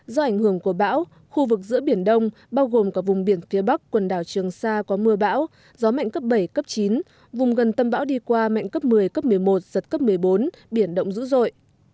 do ảnh hưởng của bão khu vực giữa biển đông bao gồm cả vùng biển phía bắc quần đảo trường sa có mưa bão gió mạnh cấp bảy cấp chín vùng gần tâm bão đi qua mạnh cấp một mươi cấp một mươi một giật cấp một mươi bốn biển động dữ dội